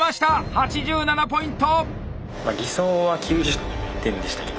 ８７ポイント！